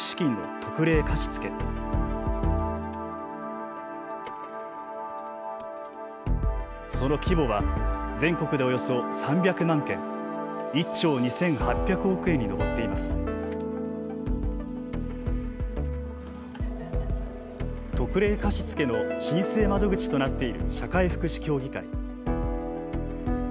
特例貸付の申請窓口となっている社会福祉協議会。